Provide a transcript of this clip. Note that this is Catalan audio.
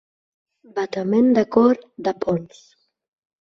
Batement de cor, de pols.